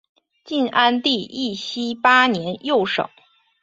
晋安帝义熙八年又省。